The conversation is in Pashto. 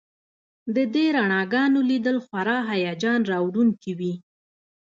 د دې رڼاګانو لیدل خورا هیجان راوړونکي وي